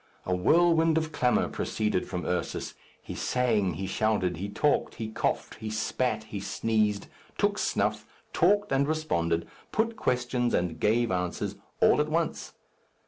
A whirlwind of clamour proceeded from Ursus: he sang, he shouted, he talked, he coughed, he spat, he sneezed, took snuff, talked and responded, put questions and gave answers, all at once.